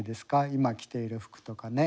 今着ている服とかね。